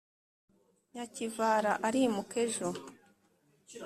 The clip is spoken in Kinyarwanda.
Nyakivara arimuka ejo